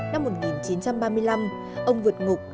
năm một nghìn chín trăm ba mươi năm ông vượt ngục